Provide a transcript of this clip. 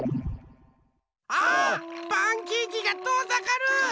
パンケーキがとおざかる！